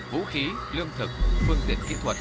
vũ khí lương thực phương diện kỹ thuật